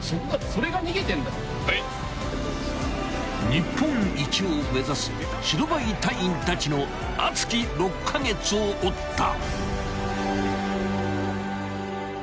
［日本一を目指す白バイ隊員たちの熱き６カ月を追った］